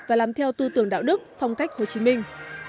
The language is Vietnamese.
và làm theo tư tưởng đạo đức phong cách hồ chí minh